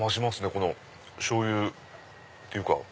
このしょうゆっていうか。